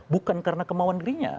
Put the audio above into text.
bukan karena kemauan dirinya